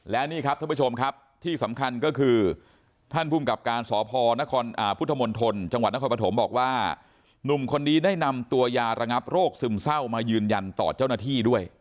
และนี่ครับท่านผู้ชมครับที่สำคัญก็คือท่านภูมิกับการสพพุทธมณฑลจังหวัดนครปฐมบอกว่าหนุ่มคนนี้ได้นำตัวยาระงับโรคซึมเศร้ามายืนยันต่อเจ้าหน้าที่ด้วย